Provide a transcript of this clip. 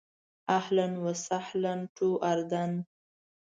اهلاً و سهلاً ټو اردن.